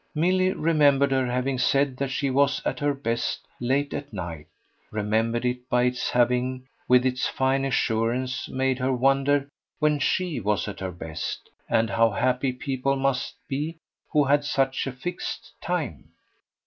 Milly remembered her having said that she was at her best late at night; remembered it by its having, with its fine assurance, made her wonder when SHE was at her best and how happy people must be who had such a fixed time.